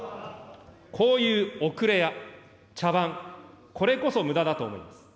こういう遅れや茶番、これこそむだだと思います。